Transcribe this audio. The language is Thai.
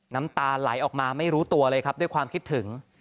น้ำตาไหลออกมาไม่รู้ตัวเลยครับด้วยความคิดถึง